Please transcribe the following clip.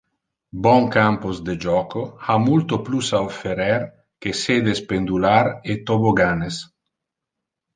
Bon campos de joco ha multo plus a offerer que sedes pendular e tobogganes.